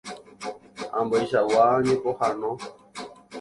Ambueichagua ñepohãno.